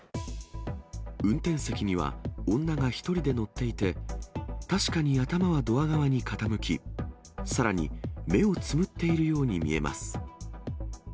運転席には、女が１人で乗っていて、確かに頭はドア側に傾き、さらに目をつむっているように見えます。